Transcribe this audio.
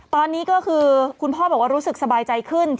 ตอนนี้ก็คือคุณพ่อบอกว่ารู้สึกสบายใจขึ้น